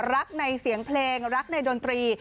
รักในเสียงเพลงรักในดนตรี